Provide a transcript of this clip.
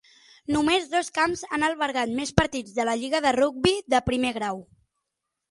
Només dos camps han albergat més partits de la lliga de rugbi de primer grau.